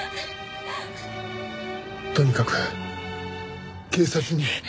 とにかく警察に。